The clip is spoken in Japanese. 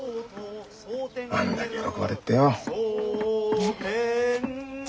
あんなに喜ばれっとよ。